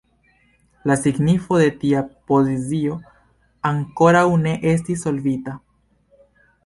La signifo de tia pozicio ankoraŭ ne estis solvita.